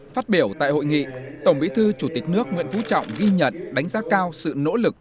phát biểu tại hội nghị tổng bí thư chủ tịch nước nguyễn phú trọng ghi nhận đánh giá cao sự nỗ lực